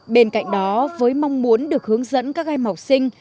bên cạnh đó với mong muốn được hướng dẫn các em học sinh